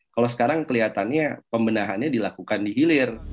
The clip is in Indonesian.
kalau sekarang kelihatannya pembenahannya dilakukan di hilir